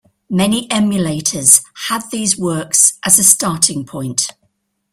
Many emulators had these works as a starting point.